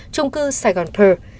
trung cư sài gòn pearl